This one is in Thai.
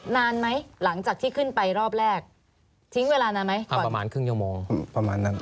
นานไหมหลังจากที่ขึ้นไปรอบแรกทิ้งเวลานานไหมครับประมาณครึ่งชั่วโมงประมาณนั้น